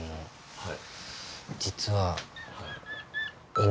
はい。